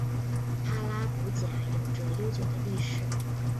哈拉卜贾有着悠久的历史。